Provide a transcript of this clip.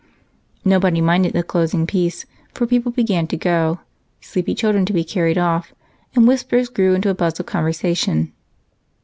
Nobody minded the closing piece, for people began to go, sleepy children to be carried off, and whispers grew into a buzz of conversation.